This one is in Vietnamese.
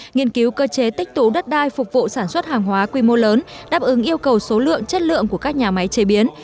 nghiên cứu cơ chế tích tụ đất đai phục vụ sản xuất hàng hóa quy mô lớn đáp ứng yêu cầu số lượng chất lượng của các nhà máy chế biến